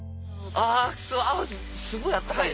あすごいあったかいね。